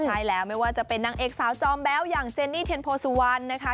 ใช่แล้วไม่ว่าจะเป็นนางเอกสาวจอมแบ๊วอย่างเจนนี่เทียนโพสุวรรณนะคะ